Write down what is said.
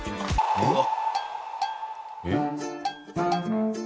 うわっ！